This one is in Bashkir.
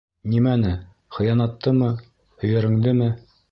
— Нимәне, хыянаттымы, һөйәреңдеме?